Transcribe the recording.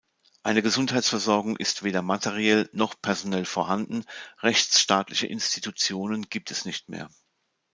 Eine Gesundheitsversorgung ist weder materiell noch personell vorhanden, rechtsstaatliche Institutionen gibt es nicht mehr.